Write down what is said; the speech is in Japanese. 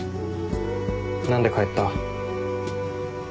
何で帰った？